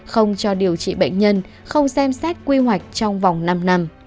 không cho điều trị bệnh nhân không xem xét quy hoạch trong vòng năm năm